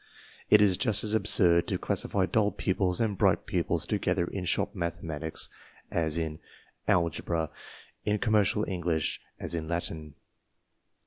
It is just as absurd to classify dull pupils and bright pupils to gether in shop mathematics as in algebra, in commercial English as in Latin.